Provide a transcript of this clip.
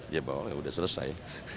ya boleh udah selesai